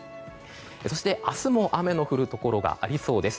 そして、明日も雨の降るところがありそうです。